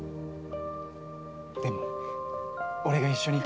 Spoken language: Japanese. でも俺が一緒に。